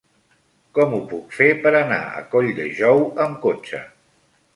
Com ho puc fer per anar a Colldejou amb cotxe?